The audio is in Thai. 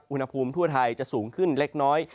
อุณหภูมิทั่วไทยจะสูงขึ้นเล็กน้อย